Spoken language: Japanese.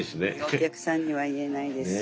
お客さんには言えないですし。